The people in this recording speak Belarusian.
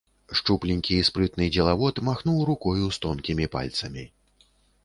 Шчупленькі і спрытны дзелавод махнуў рукою з тонкімі пальцамі.